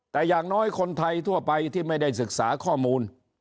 แต่อย่างน้อยคนไทยทั่วไปที่ไม่ได้ศึกษาข้อมูล